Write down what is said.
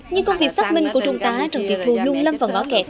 nhưng công việc xác minh của chúng ta trần kỳ thu luôn lâm vào ngõ kẹt